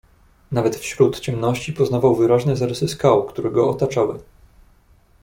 "Nawet wśród ciemności poznawał wyraźnie zarysy skał, które go otaczały."